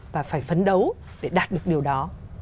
và phải phấn đấu để đạt được điều đó